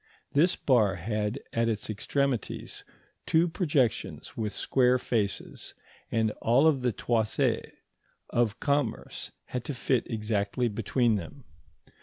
This bar had at its extremities two projections with square faces, and all the toises of commerce had to fit exactly between them.